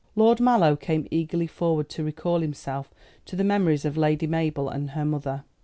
Lord Mallow came eagerly forward to recall himself to the memories of Lady Mabel and her mother.